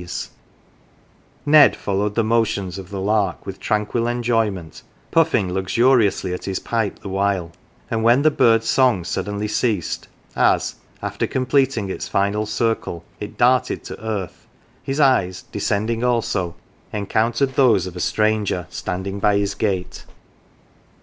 37 GAFFER'S CHILD Ned followed the motions of the lark with tranquil enjoyment, puffing luxuriously at his pipe the while ; and when the bird's song suddenly ceased, as, after completing its final circle, it darted to earth, his eyes, descending also, encountered those of a stranger standing by his gate.